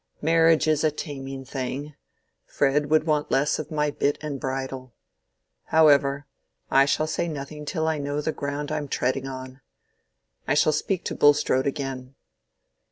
"Marriage is a taming thing. Fred would want less of my bit and bridle. However, I shall say nothing till I know the ground I'm treading on. I shall speak to Bulstrode again."